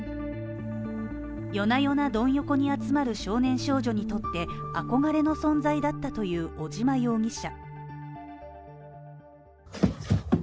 夜な夜なドン横に集まる少年少女にとって憧れの存在だったという尾島容疑者。